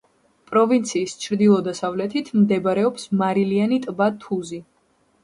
პროვინციის ჩრდილო-დასავლეთით მდებარეობს მარილიანი ტბა თუზი.